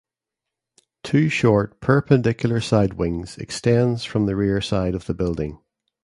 Two short perpendicular side wings extends from the rear side of the building.